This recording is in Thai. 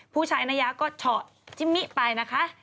ผู้ชายนายะก็เฉาะจิมิไปนะคะ